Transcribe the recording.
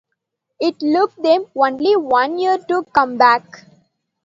It took them only one year to come back.